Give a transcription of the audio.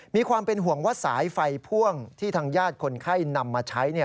มีความเป็นห่วงว่าสายไฟพ่วงที่ทางญาติคนไข้นำมาใช้